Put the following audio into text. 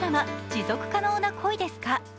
「持続可能な恋ですか？」